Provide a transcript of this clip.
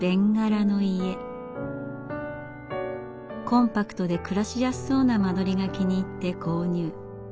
コンパクトで暮らしやすそうな間取りが気に入って購入。